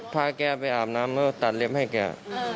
พาแกไปอาบน้ำแล้วก็ตัดเล็มให้แก